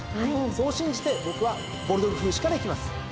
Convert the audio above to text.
そう信じて僕はボルドグフーシュからいきます。